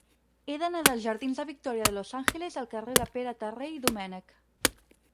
He d'anar dels jardins de Victoria de los Ángeles al carrer de Pere Terré i Domènech.